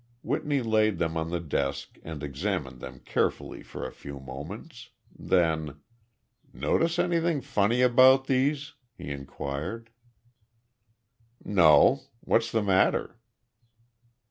Whitney laid them on the desk and examined them carefully for a few moments. Then: "Notice anything funny about these?" he inquired. "No. What's the matter?"